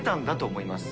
思います。